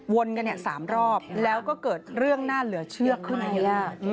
กัน๓รอบแล้วก็เกิดเรื่องน่าเหลือเชือกขึ้นมายาก